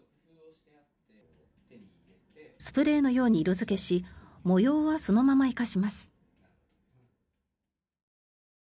スプレーのように色付けし模様はそのまま生かします。